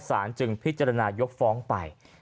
จึงพิจารณายกฟ้องไป